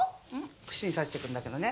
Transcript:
串に刺してくんだけどね